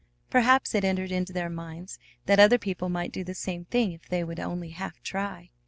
Perhaps it entered into their minds that other people might do the same thing if they would only half try.